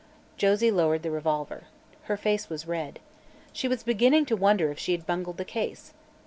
Josie lowered the revolver. Her face was red. She was beginning to wonder if she had bungled the case.